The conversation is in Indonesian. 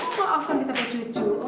maafkan kita pake cucu